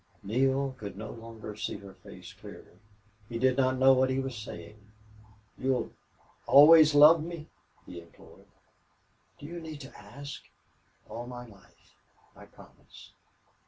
Neale could no longer see her face clearly. He did not know what he was saying. "You'll always love me?" he implored. "Do you need to ask? All my life!... I promise."